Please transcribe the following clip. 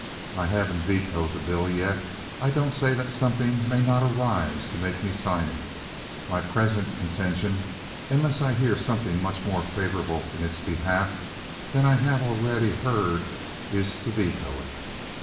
I haven't vetoed the bill yet. I don't say that something may not arise to make me sign it. My present intention, unless I hear something much more favorable in its behalf than I have already heard, is to veto it.